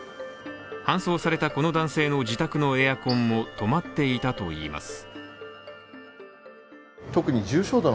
搬送されたこの男性の自宅のエアコンも止まっていたといいます。